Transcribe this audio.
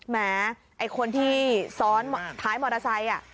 แม้ไอ้คนที่ซ้อนท้ายมอเตอร์ไซค์